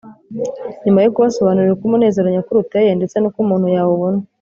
nyuma yo kubasobanurira uko umunezero nyakuri uteye ndetse n’uko umuntu yawubona,